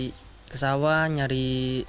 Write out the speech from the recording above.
jadi ke sawah nyari